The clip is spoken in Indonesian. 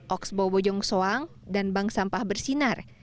oksbo bojongsoang dan bang sampah bersinar